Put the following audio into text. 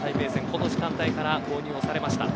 この時間帯から投入されました。